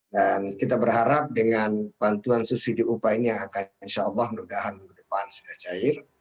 dan kita berharap dengan bantuan subsidi upah ini yang akan insya allah mudah mudahan berdepan sudah cair